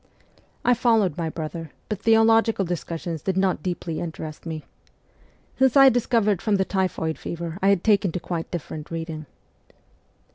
I followed my brother, but theological discussions did not deeply interest me. Since I had recovered from the typhoid fever I had taken to quite different reading.